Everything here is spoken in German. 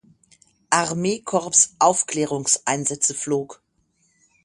Armeekorps Aufklärungseinsätze flog.